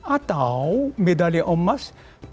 atau medali emas olimpiade